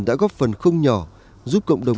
đã góp phần không nhỏ giúp cộng đồng